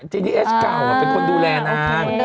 ก็คือดูแลนาน